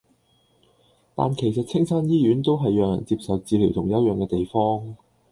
但其實青山醫院都係讓人接受治療同休養嘅地方